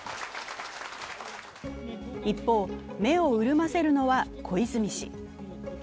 一方、目を潤ませるのは小泉氏。